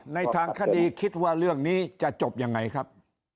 ในทางคดีคิดว่าเรื่องนี้จะจบยังไงครับ